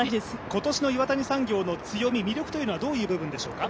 今年の岩谷産業の強み、魅力というのはどういう部分ですか？